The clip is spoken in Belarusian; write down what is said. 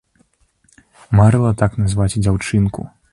Марыла так назваць дзяўчынку.